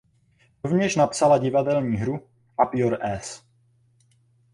Rovněž napsala divadelní hru "Up Your Ass".